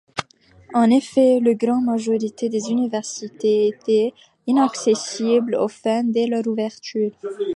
En effet, la grande majorité des universités étaient inaccessibles aux femmes dès leur ouverture.